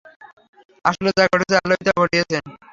আসলে যা ঘটেছে আল্লাহই তা ঘটিয়েছেন।